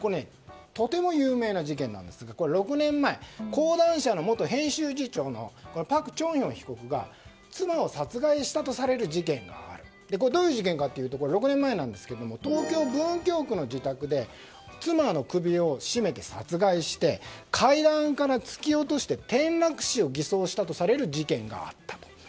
とても有名な事件なんですが６年前講談社の元編集次長のパク・チョンヒョン被告が妻を殺害したとされる事件があってどういう事件かというと６年前ですが東京・文京区の自宅で妻の首を絞めて殺害して階段から突き落として転落死を偽装したとされる事件があった。